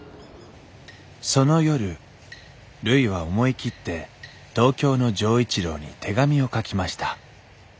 その夜るいは思い切って東京の錠一郎に手紙を書きました